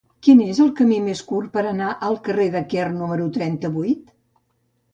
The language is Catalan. Quin és el camí més curt per anar al carrer de Quer número trenta-vuit?